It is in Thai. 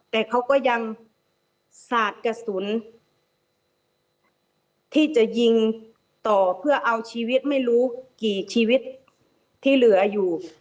แต่เขาก็ยังสาดกระสุนที่จะยิงต่อเพื่อเอาชีวิตไม่รู้กี่ชีวิตที่เหลืออยู่